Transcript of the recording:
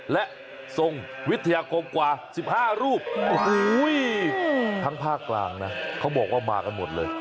และทรงวิทยาคมกว่า๑๕รูปทั้งภาคกลางนะเขาบอกว่ามากันหมดเลย